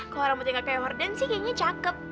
kalo rambutnya nggak kayak horden sih kayaknya cakep